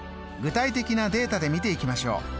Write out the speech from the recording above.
具体的なデータで見ていきましょう。